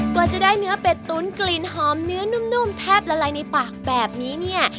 กว่าจะได้เนื้อเป็ดตุ๋นกลิ่นหอมเนื้อนุ่มแทบละลายในปากแบบนี้เนี่ย